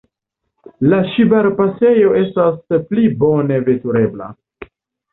La Ŝibar-pasejo estas pli bone veturebla.